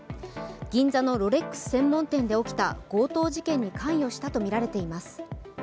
銀座のロレックス専門店で起きた強盗事件に関与しているとみられます。